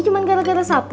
cuma gara gara sapu